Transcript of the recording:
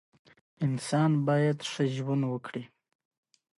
په پوسټر کې د ژېړو ویښتانو لرونکې نجلۍ انځور شوی و